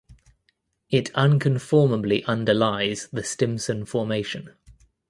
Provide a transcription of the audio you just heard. It unconformably underlies the Stimson formation.